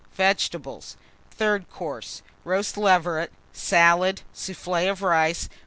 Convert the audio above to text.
Vegetables. THIRD COURSE. Roast Leveret. Salad. Soufflé of Rice.